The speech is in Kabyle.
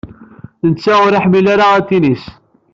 Netta ur iḥemmel ara atennis.